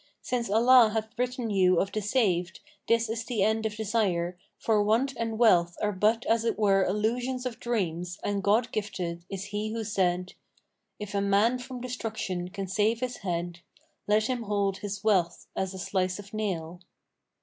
Since Allah hath written you of the saved, this is the end of desire, for want and wealth are but as it were illusions of dreams and God gifted is he who said, 'If a man from destruction can save his head * Let him hold his wealth as a slice of nail.'